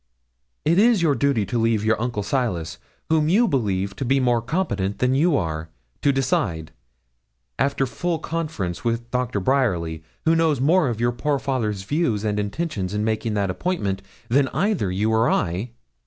It is your duty to leave your uncle Silas, whom you believe to be more competent than you are, to decide, after full conference with Doctor Bryerly, who knows more of your poor father's views and intentions in making that appointment than either you or I.'